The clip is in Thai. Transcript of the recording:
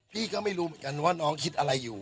พี่ก็ไม่รู้เหมือนกันว่าน้องคิดอะไรอยู่